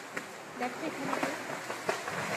দেখ এখানে কে।